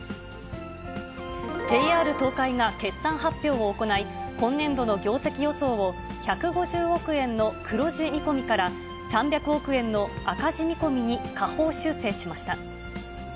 ＪＲ東海が決算発表を行い、今年度の業績予想を、１５０億円の黒字見込みから、３００億円の赤字見込みに下方修正しました。